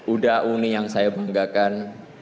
udah uni yang saya banggakan